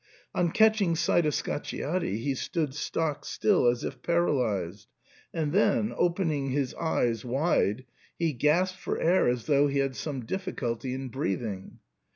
On catching sight of Scacciati he stood stock still as if paralysed, and then, opening his eyes wide, he gasped for air as thoiigh he had some difficulty in breathing.